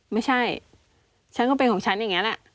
ไม่ใช่ฉันก็เป็นของฉันอย่างนี้แหละ